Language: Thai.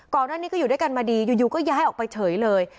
ก่อนหน้านี้ก็อยู่ด้วยกันมาดีอยู่ก็ย้ายออกไปเฉยเลย